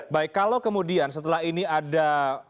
baik kalau kemudian setelah ini ada